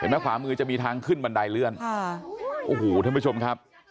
ขวามือจะมีทางขึ้นบันไดเลื่อนค่ะโอ้โหท่านผู้ชมครับ